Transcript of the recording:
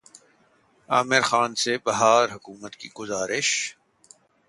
عامر خان سے بہار حکومت کی گزارش